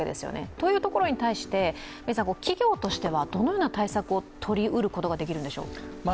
というところに対して、企業としてはどのような対策をとりうることができるんでしょう？